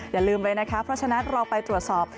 อย่าลืมเลยนะคะเพราะฉะนั้นเราไปตรวจสอบ